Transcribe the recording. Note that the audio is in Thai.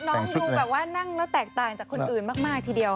น้องดูแบบว่านั่งแล้วแตกต่างจากคนอื่นมากทีเดียว